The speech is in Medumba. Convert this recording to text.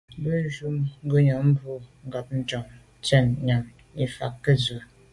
Mbwe njùmbwe ngùnyàm bo ngab Njon tshen nyàm ni fa ke ntsw’a là’.